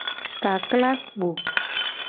Kakla kpo.